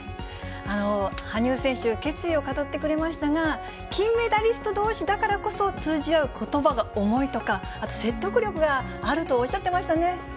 羽生選手、決意を語ってくれましたが、金メダリストどうしだからこそ通じ合うことばが重いとか、あと説得力があるとおっしゃっていました。